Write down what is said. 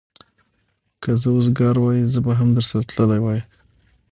که زه وزګار وای، زه به هم درسره تللی وای.